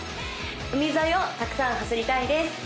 海沿いをたくさん走りたいです